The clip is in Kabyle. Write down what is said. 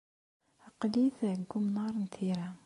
Aql-it deg unnar n tira.